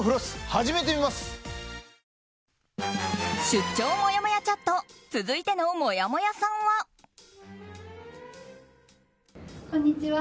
出張もやもやチャット続いてのもやもやさんは。